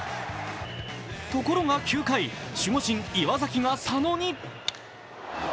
ところが９回、守護神・岩崎が佐野に！